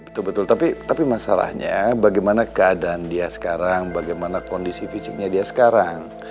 betul betul tapi masalahnya bagaimana keadaan dia sekarang bagaimana kondisi fisiknya dia sekarang